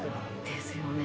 ですよね。